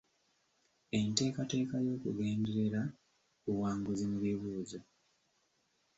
Enteekateeka yakugenderera buwanguzi mu bibuuzo.